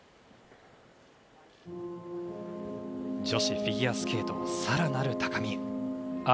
女子フィギュアスケートさらなる高みへ。